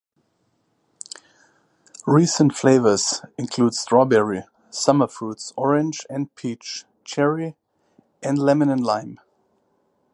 Recent flavours include strawberry, summer fruits, orange and peach, cherry, and lemon and lime.